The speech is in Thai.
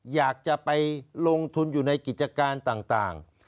อยากจะไปลงทุนอยู่ในกิจการต่าง